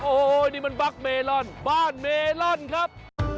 โอ้โหนี่มันบั๊กเมลอนบ้านเมลอนครับ